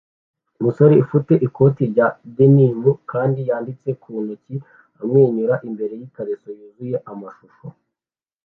Umusore ufite ikoti rya denim kandi yanditse ku ntoki amwenyura imbere yikariso yuzuye amashusho